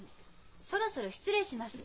そろそろ失礼します。